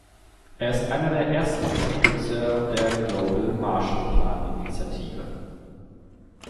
Er ist einer der ersten Unterstützer der Global Marshall Plan Initiative.